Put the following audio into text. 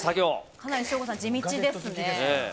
かなり省吾さん、地道ですね。